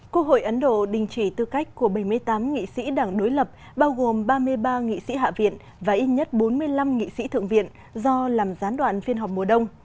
quốc hội ấn độ đình chỉ tư cách của bảy mươi tám nghị sĩ đảng đối lập bao gồm ba mươi ba nghị sĩ hạ viện và ít nhất bốn mươi năm nghị sĩ thượng viện do làm gián đoạn phiên họp mùa đông